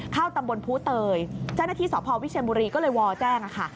เข้าตำบลภูเตยเจ้าหน้าที่สพวิเชียนบุรีก็เลยวอแจ้งค่ะ